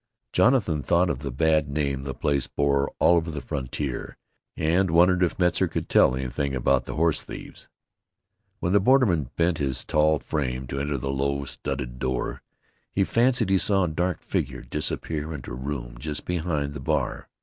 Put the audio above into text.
Jonathan thought of the bad name the place bore all over the frontier, and wondered if Metzar could tell anything about the horse thieves. When the borderman bent his tall frame to enter the low studded door he fancied he saw a dark figure disappear into a room just behind the bar.